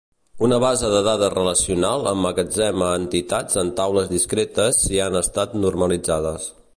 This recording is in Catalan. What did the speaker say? Una base de dades relacional emmagatzema entitats en taules discretes si han estat normalitzades.